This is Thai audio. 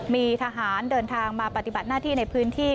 มีทหารเดินทางมาปฏิบัติหน้าที่ในพื้นที่